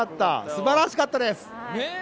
すばらしかったです！